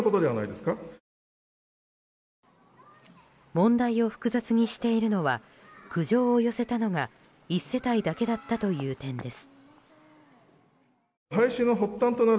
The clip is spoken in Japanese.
問題を複雑にしているのは苦情を寄せたのが１世帯だけだったという点です。